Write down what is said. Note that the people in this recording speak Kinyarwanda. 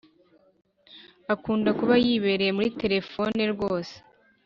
akunda kuba yibereye muri telephone rwose